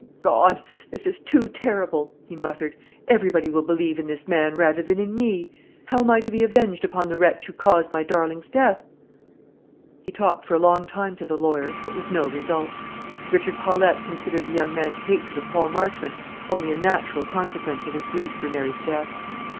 "O God! this is too terrible," he muttered. "Everybody will believe in this man rather than in me. How am I to be avenged upon the wretch who caused my darling's death?" He talked for a long time to the lawyer, but with no result. Richard Paulette considered the young man's hatred of Paul Marchmont only a natural consequence of his grief for Mary's death.